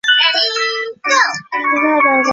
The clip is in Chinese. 至年底前扩修工程结束。